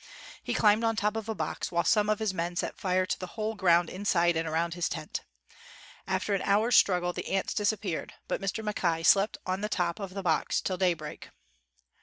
He climbed on top of a box, while some of his men set fire to the whole ground inside and around his tent. After an hour's struggle, the ants disappeared, but Mr. Mackay slept on the top of the box till daybreak.